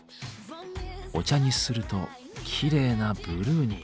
お茶にするときれいなブルーに。